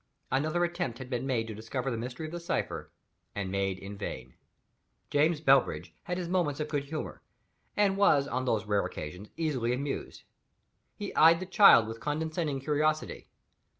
Another attempt had been made to discover the mystery of the cipher, and made in vain. James Bellbridge had his moments of good humor, and was on those rare occasions easily amused. He eyed the child with condescending curiosity.